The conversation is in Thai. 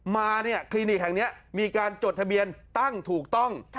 มาเนี่ยคลินิกแห่งนี้มีการจดทะเบียนตั้งถูกต้อง